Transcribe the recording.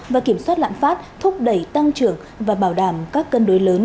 và kiểm soát lạm phát thúc đẩy tăng trưởng và bảo đảm các cân đối lớn